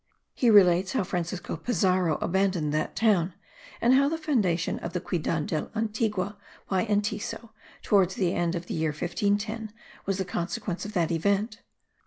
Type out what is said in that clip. He relates how Francisco Pizarro abandoned that town, and how the foundation of the Ciudad del Antigua by Entiso, towards the end of the year 1510, was the consequence of that event.